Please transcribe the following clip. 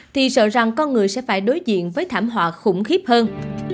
thì sợ rằng con người sẽ phải đối diện với thảm họa khủng khiếp hơn